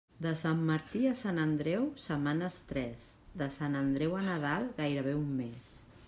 De Sant Martí a Sant Andreu, setmanes tres; de Sant Andreu a Nadal, gairebé un mes.